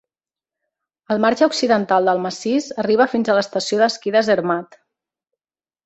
El marge occidental del massís arriba fins a l'estació d'esquí de Zermatt.